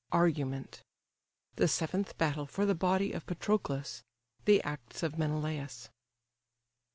ARGUMENT. THE SEVENTH BATTLE, FOR THE BODY OF PATROCLUS.—THE ACTS OF MENELAUS.